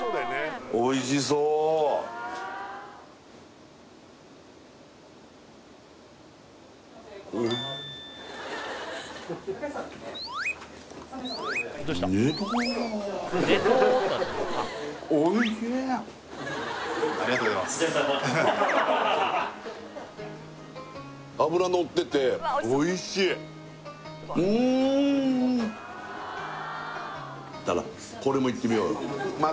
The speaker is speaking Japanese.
おいしそう脂のってておいしいうんこれもいってみようよ